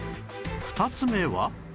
２つ目は